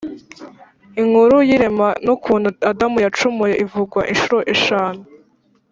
inkuru y’irema n’ukuntu adamu yacumuye ivugwa incuro eshanu